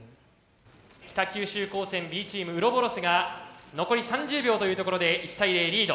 北九州高専Ｂチーム「ｏｕＲＯＢＯｒｏｓ」が残り３０秒というところで１対０リード。